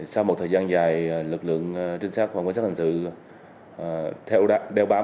sau một thời gian dài lực lượng trinh sát và quan sát hành sự theo đeo bám